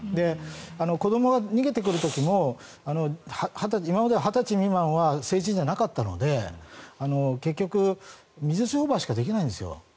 子どもが逃げてくる時も今までは２０歳未満は成人じゃなかったので、結局水商売しかできないんですよ。